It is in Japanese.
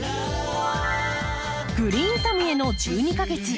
「グリーンサムへの１２か月」。